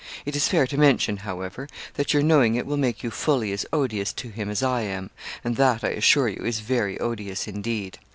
It is fair to mention, however, that your knowing it will make you fully as odious to him as I am and that, I assure you, is very odious indeed.